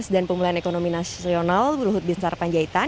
dan pemulai ekonomi nasional bluhut bintar panjaitan